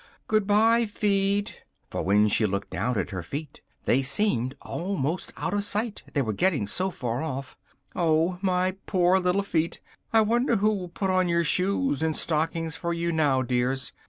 Goodbye, feet!" (for when she looked down at her feet, they seemed almost out of sight, they were getting so far off,) "oh, my poor little feet, I wonder who will put on your shoes and stockings for you now, dears?